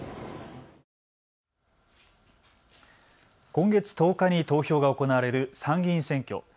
今月１０日に投票が行われる参議院選挙。